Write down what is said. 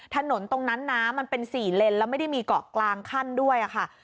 ถนนตรงนั้นน้ำมันเป็น๔เลนแล้วไม่ได้มีเกาะกลางขั้นด้วยค่ะ